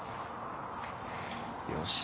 よし。